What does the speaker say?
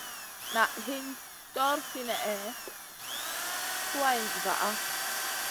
Naʼ hin ɗor sinèhna suwayna vaʼa.